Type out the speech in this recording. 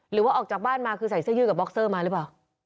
หรือว่าออกจากบ้านมาคือใส่เสื้อยืดกับบ็อกเซอร์มาหรือเปล่า